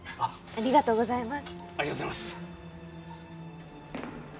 ありがとうございます。